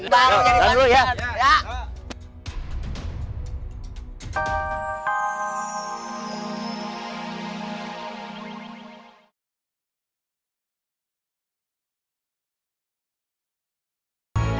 baru jadi panutan